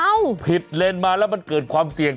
ผิดเลนมาแล้วมันเกิดความเสี่ยง